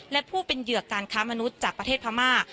และผู้เป็นเหยื่อการค้ามนุษย์จากประเทศพม่า